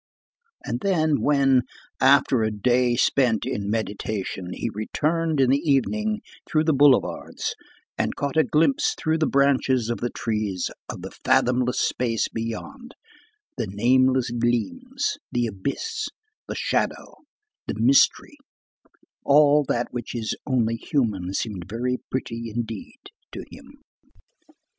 And then, when, after a day spent in meditation, he returned in the evening through the boulevards, and caught a glimpse through the branches of the trees of the fathomless space beyond, the nameless gleams, the abyss, the shadow, the mystery, all that which is only human seemed very pretty indeed to him.